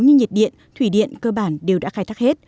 như nhiệt điện thủy điện cơ bản đều đã khai thác hết